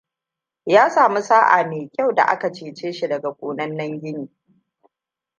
Ya sami sa'a mai kyau da a ka ceci shi daga konannen gini.